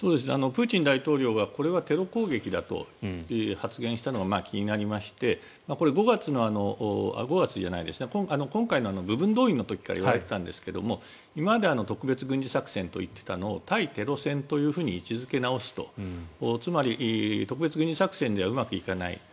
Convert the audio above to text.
プーチン大統領がこれはテロ攻撃だと発言したのが気になりましてこれ、今回の部分動員の時から言われていたんですが今まで特別軍事作戦と言っていたのを対テロ戦というふうに位置付け直すと。つまり、特別軍事作戦ではうまくいかない。